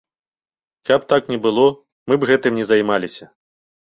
Каб так не было, мы б гэтым не займаліся.